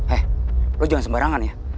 eh lo jangan sembarangan ya